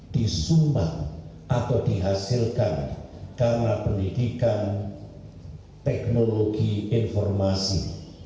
disumbang atau dihasilkan karena pendidikan teknologi informasi